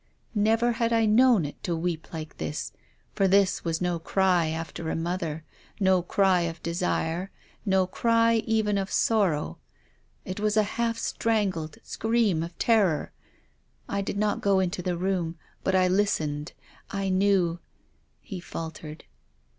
Never had I known it to THE DEAD CHILD. 207 weep like this ; for this was no cry after a mother, no cry of desire, no cry even of sorrow. It was a half strangled scream of terror, I did not go into the room, but as I listened, I knew —" He faltered.